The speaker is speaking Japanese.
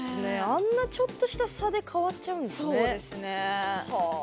あんなちょっとした差で変わっちゃうんですね。